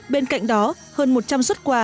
bên cạnh đó hơn một trăm linh xuất quà